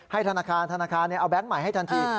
ธนาคารธนาคารเอาแก๊งใหม่ให้ทันที